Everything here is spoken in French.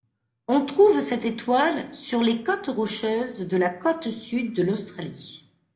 On trouve cette étoile sur les côtes rocheuses de la côte sud de l'Australie.